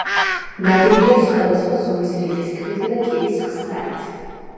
ნაგებია სხვადასხვა ზომის რიყის ქვითა და კირის ხსნარით.